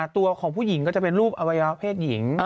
ตัวของผู้หญิงก็จะเป็นรูปอวัยวะเพศหญิง